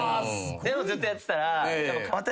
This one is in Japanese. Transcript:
ずっとやってたら。